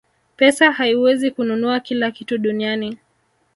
pesa haiwezi kununua kila kitu duniani